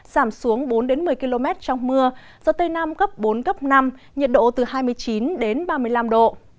giảm xuống bốn một mươi km trong mưa gió tây nam cấp bốn cấp năm nhiệt độ từ hai mươi chín đến ba mươi năm độ